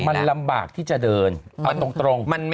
มันลำบากที่จะเดินเอาตรง